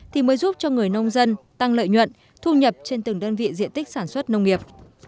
thì mới giúp cho người nông dân tăng lợi nhuận thu nhập trên từng đơn vị diện tích sản xuất nông nghiệp